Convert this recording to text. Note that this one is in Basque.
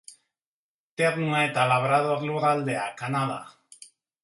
Ternua eta Labrador lurraldea, Kanada.